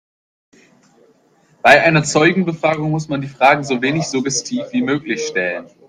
Bei einer Zeugenbefragung muss man die Fragen so wenig suggestiv wie möglich stellen.